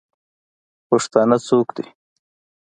پښتانه څوک دئ؟